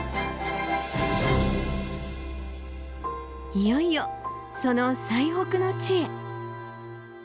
いよいよその最北の地へ。